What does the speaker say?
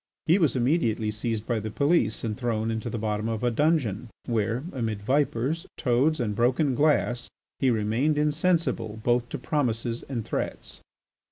He was immediately seized by the police and thrown into the bottom of a dungeon where, amid vipers, toads, and broken glass, he remained insensible both to promises and threats.